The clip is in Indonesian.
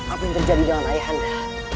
apa yang terjadi dengan ayahanda